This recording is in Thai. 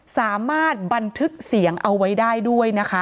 สามารถบันทึกเสียงเอาไว้ได้ด้วยนะคะ